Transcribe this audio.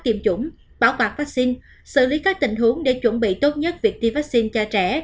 tiêm chủng bảo vạc vaccine xử lý các tình huống để chuẩn bị tốt nhất việc tiêm vaccine cho trẻ